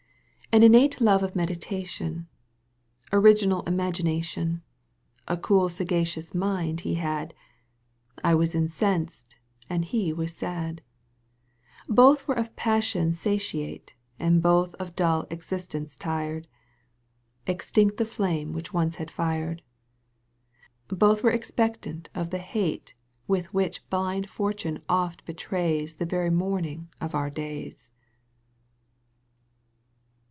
I An innate love of meditation. Original imagination. And cool sagacious mind he had : I was incensed and he was sad. Both were of passion satiate And both of dull existence tired. Extinct the flame which once had fired ; Both were expectant of the hate With which blind Fortune oft betrays The very morning of our days.